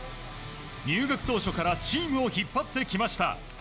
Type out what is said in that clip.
入学当初からチームを引っ張ってきました。